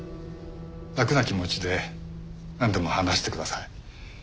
楽な気持ちでなんでも話してください。